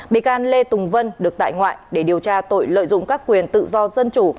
bị can lê tùng vân được tại ngoại để điều tra tội lợi dụng các quyền tự do dân chủ